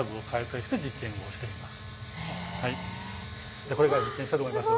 じゃあこれから実験したいと思います。